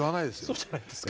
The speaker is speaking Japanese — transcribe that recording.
そうじゃないんですか？